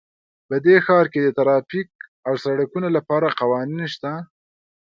په دې ښار کې د ټرافیک او سړکونو لپاره قوانین شته